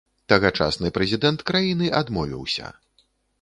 Тагачасны прэзідэнт краіны адмовіўся.